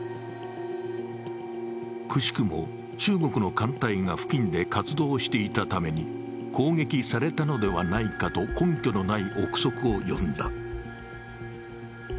奇しくも中国の艦隊が付近で活動していたために攻撃されたのではないかと根拠のない憶測を呼んだ。